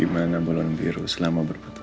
gimana bolon biru selama berputu